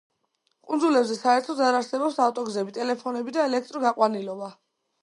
კუნძულებზე საერთოდ არ არსებობს ავტოგზები, ტელეფონები და ელექტროგაყვანილობა.